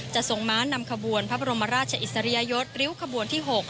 ทรงม้านำขบวนพระบรมราชอิสริยยศริ้วขบวนที่๖